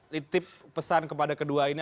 litip pesan kepada kedua ini